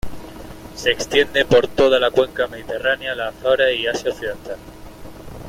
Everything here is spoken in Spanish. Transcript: Se extiende por toda la Cuenca mediterránea, las Azores y Asia occidental.